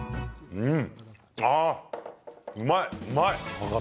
うん。